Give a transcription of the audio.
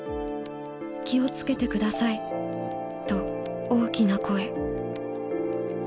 気をつけてくださいと大きな声」。